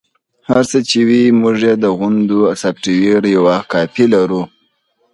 هر څه چې وي موږ د توغندي سافټویر یوه کاپي لرو